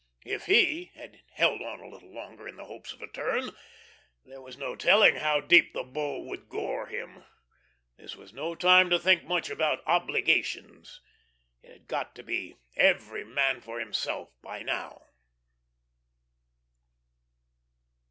If he "held on a little longer, in the hopes of a turn," there was no telling how deep the Bull would gore him. This was no time to think much about "obligations." It had got to be "every man for himself" by now.